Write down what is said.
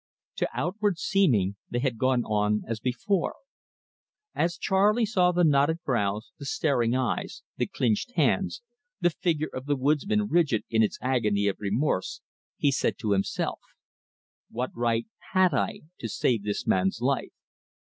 To outward seeming they had gone on as before. As Charley saw the knotted brows, the staring eyes, the clinched hands, the figure of the woodsman rigid in its agony of remorse, he said to himself: "What right had I to save this man's life?